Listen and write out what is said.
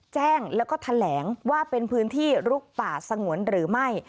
แจ้งแล้วก็แถลงว่าเป็นพื้นที่ลุกป่าสงวนหรือไม่